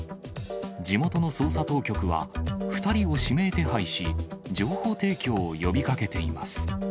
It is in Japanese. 地元の捜査当局は、２人を指名手配し、情報提供を呼びかけています。